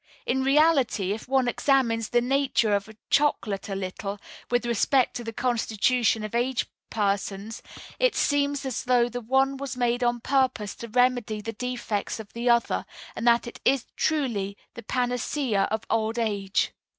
In reality, if one examines the nature of chocolate a little, with respect to the constitution of aged persons, it seems as though the one was made on purpose to remedy the defects of the other, and that it is truly the panacea of old age."